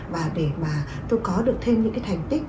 và để mà tôi có được thêm những cái thành tích